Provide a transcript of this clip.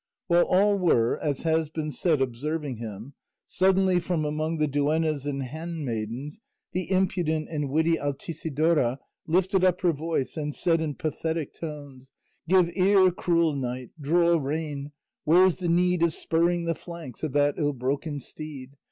While all were, as has been said, observing him, suddenly from among the duennas and handmaidens the impudent and witty Altisidora lifted up her voice and said in pathetic tones: Give ear, cruel knight; Draw rein; where's the need Of spurring the flanks Of that ill broken steed?